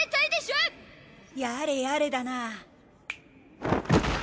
やれやれだな。